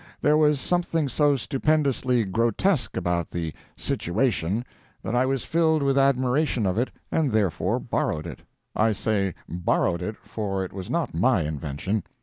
There was something so stupendously grotesque about the "situation," that I was filled with admiration of it, and therefore borrowed it. I say "borrowed" it, for it was not my invention.